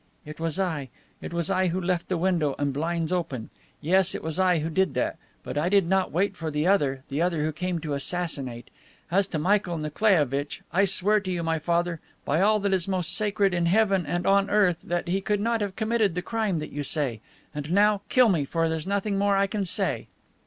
It was I. It was I who left the window and blinds open. Yes, it is I who did that. But I did not wait for the other, the other who came to assassinate. As to Michael Nikolaievitch, I swear to you, my father, by all that is most sacred in heaven and on earth, that he could not have committed the crime that you say. And now kill me, for there is nothing more I can say."